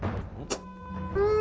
うん。